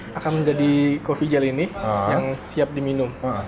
jadi ini akan menjadi kopi gel ini yang siap diminum